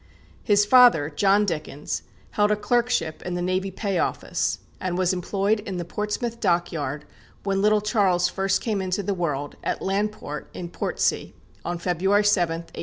His father, John Dickens, held a clerkship in the Navy Pay Office, and was employed in the Portsmouth Dockyard when little Charles first came into the world, at Landport, in Portsea, on February 7, 1812.